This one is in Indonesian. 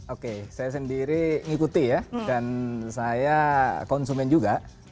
oke saya sendiri mengikuti ya dan saya konsumen juga